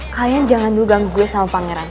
kalian jangan dulu ganggu gue sama pangeran